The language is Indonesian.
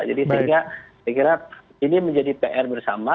jadi saya kira ini menjadi pr bersama